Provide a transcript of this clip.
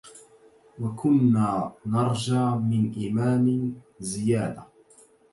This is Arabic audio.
وكنا نرجي من إمام زيادة